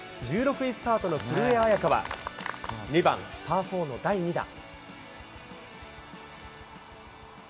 １６位スタートの古江彩佳は２番パー４の第２打。